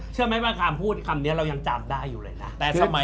เชื่อไหมว่าคำพูดคำนี้เรายังจำได้อยู่เลยนะ